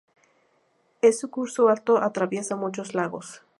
En su curso alto atraviesa muchos lagos.